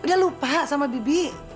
udah lupa sama bibi